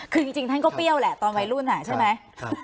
คือจริงท่านก็เปรี้ยวแหละตอนวัยรุ่นใช่ไหม